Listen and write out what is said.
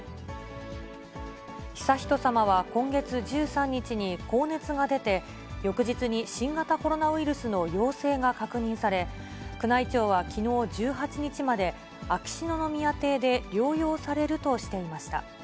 悠仁さまは今月１３日に高熱が出て、翌日に新型コロナウイルスの陽性が確認され、宮内庁はきのう１８日まで、秋篠宮邸で療養されるとしていました。